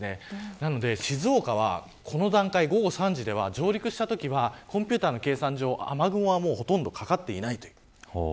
なので静岡はこの段階、午後３時では上陸したときはコンピューターの計算上、雨雲はほとんどかかっていないという。